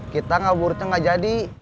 kita gak burceng gak jadi